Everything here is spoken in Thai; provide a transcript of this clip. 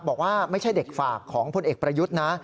บอกว่าไม่ใช่เด็กฝากของพลเอกประยุทธ์นะ